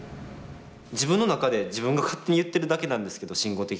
自分の中で自分が勝手に言ってるだけなんですけど慎吾的には。